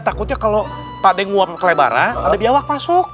takutnya kalau pak deh nguap kelebaran ada biawak masuk